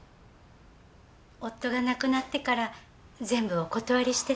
夫が亡くなってから全部お断りしてて。